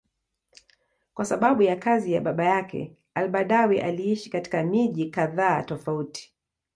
Kwa sababu ya kazi ya baba yake, al-Badawi aliishi katika miji kadhaa tofauti.